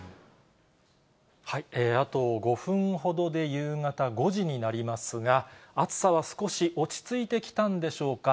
あと５分ほどで夕方５時になりますが、暑さは少し落ち着いてきたんでしょうか。